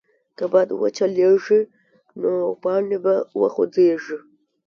که باد وچلېږي، نو پاڼې به وخوځېږي.